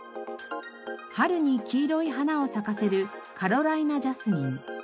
春に黄色い花を咲かせるカロライナジャスミン。